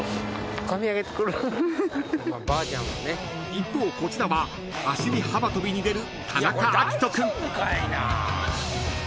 ［一方こちらは走り幅跳びに出る］